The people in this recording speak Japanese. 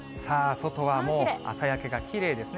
外はもう朝焼けがきれいですね。